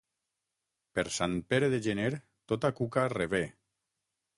Per Sant Pere de gener tota cuca revé.